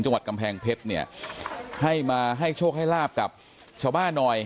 จังหวัดกำแพงเพชรเนี่ยให้มาให้โชคให้ลาบกับชาวบ้านหน่อย